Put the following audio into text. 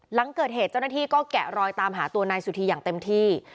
หลังเกิดเหตุเจ้าหน้าที่ก็แกะรอยตามหาตัวนายสุธีอย่างเต็มที่